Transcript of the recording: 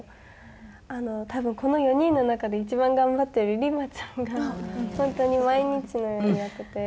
多分この４人の中で一番頑張ってるＲＩＭＡちゃんが本当に毎日のようにやってて。